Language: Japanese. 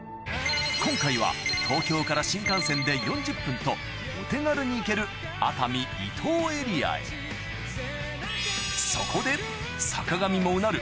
今回は東京から新幹線で４０分とお手軽に行ける熱海・伊東エリアへそこで坂上